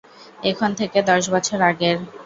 এখন থেকে দশ বছর আগের।